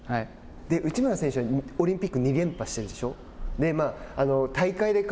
内村選手はオリンピック２連覇してるじゃないですか。